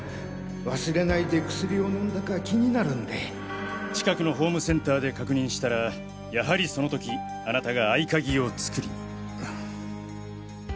忘れないで薬を飲んだか気になるんで近くのホームセンターで確認したらやはりその時あなたが合鍵を作りに。